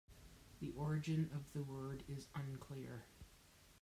The origin of the word is unclear.